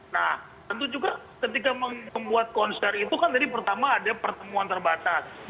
nah tentu juga ketika membuat konser itu kan tadi pertama ada pertemuan terbatas